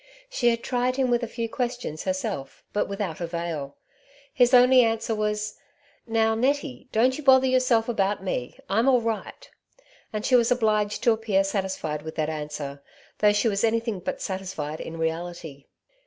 She had tried him with a few questions herself, but without avail. His only answer was, ^^ Now, Nettie, don't you bother yourself about me, I'm all right /' and she was obliged to appear satis fied with that answer, though she was anything but satisfied in reality.